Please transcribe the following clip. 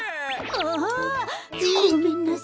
あ！ごめんなさい。